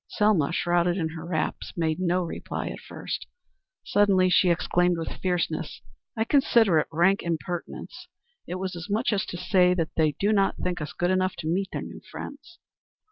Selma, shrouded in her wraps, made no reply at first. Suddenly she exclaimed, with, fierceness, "I consider it rank impertinence. It was as much as to say that they do not think us good enough to meet their new friends."